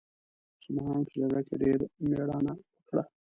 مسلمانانو په جګړه کې ډېره مېړانه وکړه.